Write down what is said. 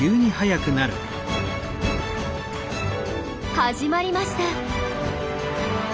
始まりました。